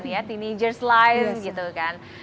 ya teenager s life gitu kan